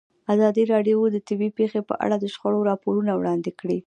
ازادي راډیو د طبیعي پېښې په اړه د شخړو راپورونه وړاندې کړي.